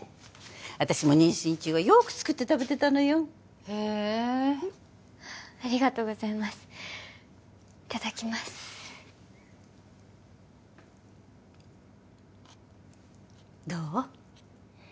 私も妊娠中はよく作って食べてたのよへえありがとうございますいただきますどう？